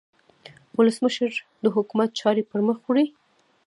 ولسمشر د حکومت چارې پرمخ وړي.